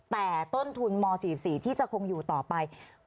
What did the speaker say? แต่ต้นทุนม๔๔ที่จะคงอยู่ต่อไป